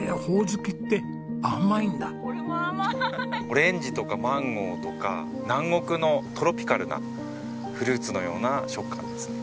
オレンジとかマンゴーとか南国のトロピカルなフルーツのような食感ですね。